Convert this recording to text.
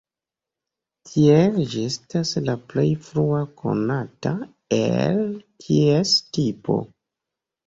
Tiele ĝi estas la plej frua konata el ties tipo.